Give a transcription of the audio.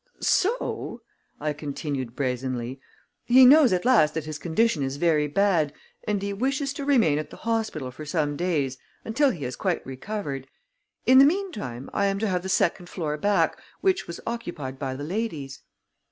"So," I continued brazenly, "he knows at last that his condition is very bad, and he wishes to remain at the hospital for some days until he has quite recovered. In the meantime, I am to have the second floor back, which was occupied by the ladies."